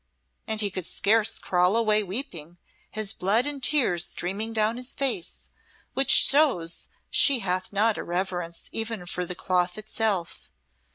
And he could scarce crawl away weeping, his blood and tears streeming down his face, which shows she hath not a reverence even for the cloth itself.